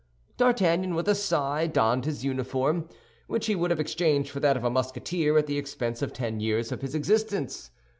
D'Artagnan, with a sigh, donned his uniform, which he would have exchanged for that of a Musketeer at the expense of ten years of his existence.